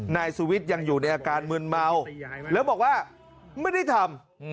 นายสุวิทย์ยังอยู่ในอาการมืนเมาแล้วบอกว่าไม่ได้ทำ